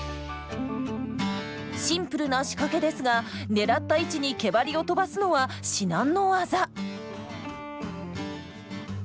シンプルな仕掛けですが狙った位置に毛バリを飛ばすのは至難の業。